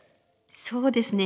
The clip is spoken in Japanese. そうですね。